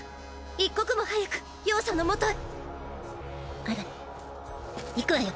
一刻も早く葉様のもとへ！